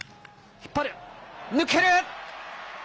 引っ張る、抜ける。